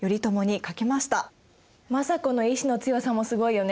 政子の意志の強さもすごいよね！